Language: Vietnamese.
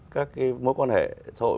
các cái mối quan hệ xã hội